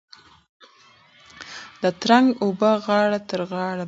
د ترنګ اوبه غاړه تر غاړې بهېږي.